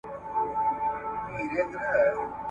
چي هر پل یې د مجنون دی نازوه مي !.